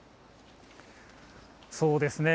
そうですね。